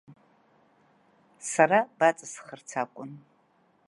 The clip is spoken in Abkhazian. Сара баҵысхырц акәын…